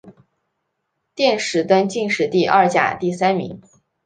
殿试登进士第二甲第三名。